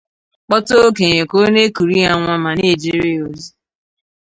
kpọta okenye ka ọ na-ekuru ya nwa ma na ejere ya ozi